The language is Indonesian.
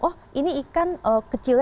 oh ini ikan kecilnya